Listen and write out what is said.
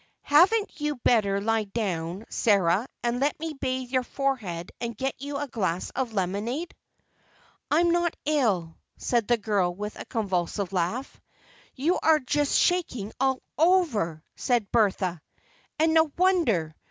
"Hadn't you better lie down, Sarah, and let me bathe your forehead and get you a glass of lemonade?" "I'm not ill," said the girl with a convulsive laugh. "You are just shaking all over," said Bertha, "and no wonder!